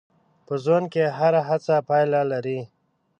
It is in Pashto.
په ژوند کې هره هڅه پایله لري.